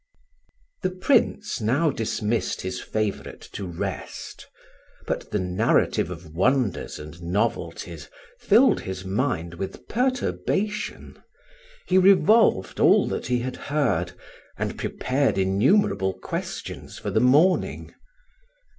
THE Prince now dismissed his favourite to rest; but the narrative of wonders and novelties filled his mind with perturbation. He revolved all that he had heard, and prepared innumerable questions for the morning.